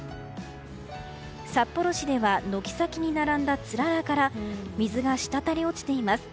札幌市では軒先に並んだつららから水がしたたり落ちています。